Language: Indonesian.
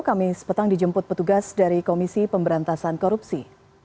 kami sepetang dijemput petugas dari komisi pemberantasan korupsi